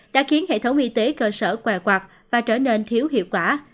đã khiến hệ thống y tế cơ sở què quạt và trở nên thiếu hiệu quả